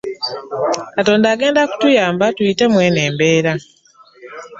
Katonda agenda kutuyamba tuyite mweno embeera.